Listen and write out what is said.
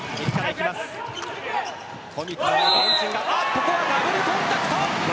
ここはダブルコンタクト。